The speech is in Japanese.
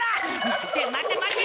待て待て待て！